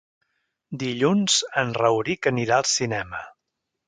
Dilluns en Rauric anirà al cinema.